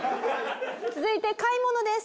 続いて買い物です。